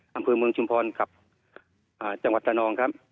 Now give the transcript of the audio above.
อำเภอเมืองชุมพรกับจังหวัดตานองครับ